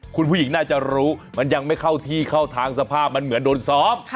คุณผู้หญิงน่าจะรู้มันยังไม่เข้าที่เข้าทางสภาพมันเหมือนโดนซ้อม